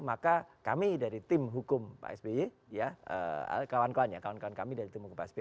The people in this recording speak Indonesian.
maka kami dari tim hukum pak sby ya kawan kawan ya kawan kawan kami dari tim hukum pak sby